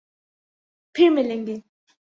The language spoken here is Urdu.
پھر ملیں گے